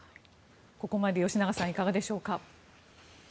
ここまでで吉永さんいかがでしょうか。